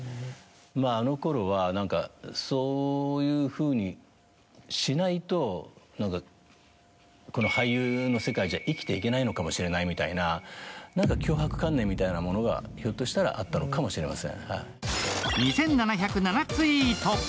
あのころはそういうふうにしないと俳優の世界では生きていけないかもしれないみたいな強迫観念みたいなものがひょっとしたらあったのかもしれません。